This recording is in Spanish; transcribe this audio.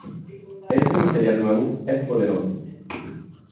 Este material nuevo es poderoso.